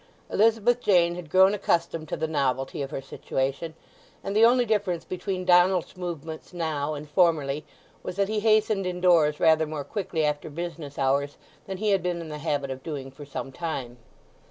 Elizabeth Jane had grown accustomed to the novelty of her situation, and the only difference between Donald's movements now and formerly was that he hastened indoors rather more quickly after business hours than he had been in the habit of doing for some time.